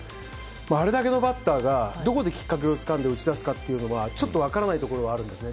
あれだけのバッターがどこできっかけをつかんで打ち出すかというのはちょっと分からないところがあるんですね。